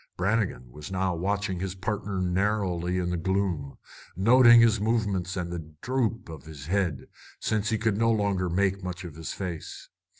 Brannigan was now watching his partner narrowly in the gloom, noting his movements and the droop of his head, since he could no longer make much of his face.